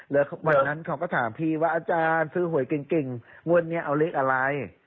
แล้ววันนั้นเขาก็ถามพี่ว่าอาจารย์ซื้อหวยเก่งงวดนี้เอาเลขอะไร